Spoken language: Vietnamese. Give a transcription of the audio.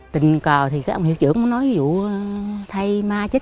tình cờ thì các ông hiệu trưởng nói ví dụ thay ma chết